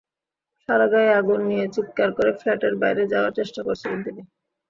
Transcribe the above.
সারা গায়ে আগুন নিয়ে চিৎকার করে ফ্ল্যাটের বাইরে যাওয়ার চেষ্টা করছিলেন তিনি।